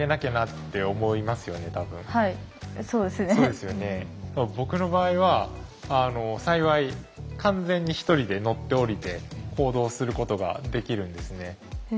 でも僕の場合は幸い完全に１人で乗って降りて行動することができるんですね。